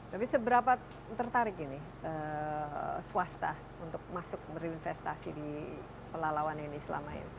jadi seberapa tertarik ini swasta untuk masuk berinvestasi di pelaluan ini selama ini